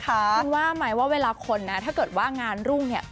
คุณว่าไหมว่าเวลาคนนะถ้าเกิดว่างานรุ่งเนี่ย